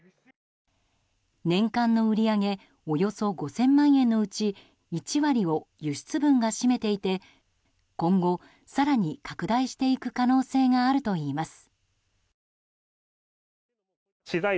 年間の売り上げおよそ５０００万円のうち１割を輸出分が占めていて今後、更に拡大していく可能性があるといいます。